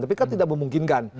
tapi kan tidak memungkinkan